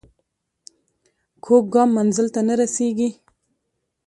کوږ ګام منزل ته نه رسېږي